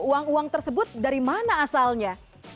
uang uang tersebut dari mana asalnya